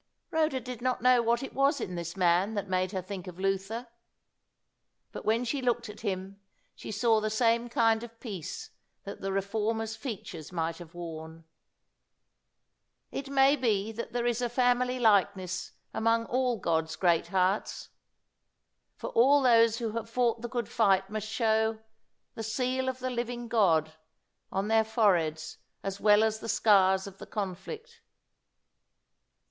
Rhoda did not know what it was in this man that made her think of Luther. But when she looked at him she saw the same kind of peace that the reformer's features might have worn. It may be that there is a family likeness among all God's Greathearts. For all those who have fought the good fight must show "the seal of the living God" on their foreheads as well as the scars of the conflict.